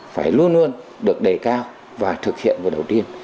phải luôn luôn được đề cao và thực hiện vào đầu tiên